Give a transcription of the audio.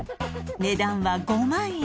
値段は５万円